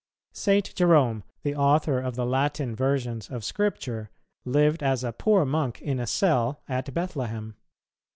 St. Jerome, the author of the Latin versions of Scripture, lived as a poor monk in a cell at Bethlehem.